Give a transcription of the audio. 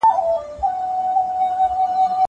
زه اوږده وخت بوټونه پاکوم!